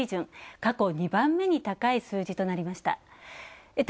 過去２番目に高い数字となりました。